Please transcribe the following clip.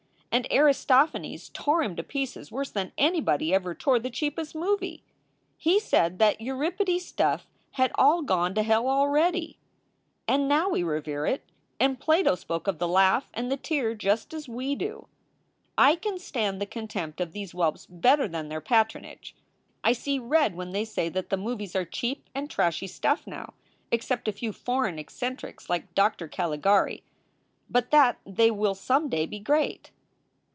And Aristophanes tore him to pieces worse than anybody ever tore the cheapest movie. He said that Euripides stuff had all gone to hell already. 368 SOULS FOR SALE And now we revere it. And Plato spoke of the laugh and the tear* just as we do. "I can stand the contempt of these whelps better than their patronage. I see red when they say that the movies are cheap and trashy stuff now, except a few foreign eccentrics like Doctor Caligari, but that they will some day be great.